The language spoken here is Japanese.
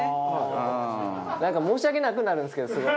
なんか申し訳なくなるんですけどすごく。